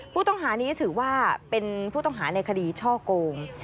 ผู้ต้องหานี้ถือว่าเป็นผู้ต้องหาในคดีช่อโกง